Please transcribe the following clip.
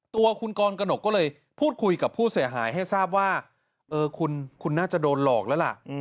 ตัวคุณกรกนกก็เลยพูดคุยกับผู้เสียหายให้ทราบว่าคุณน่าจะโดนหลอกแล้วล่ะ